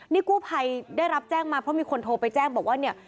นี่กู้ภัยได้รับแจ้งมาเพราะมีคนโทรไปแจ้งบอกว่าเนี่ย